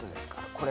これ。